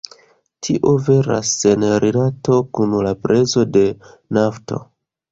Tio veras sen rilato kun la prezo de nafto.